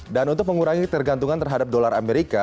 dan untuk mengurangi tergantungan terhadap dolar amerika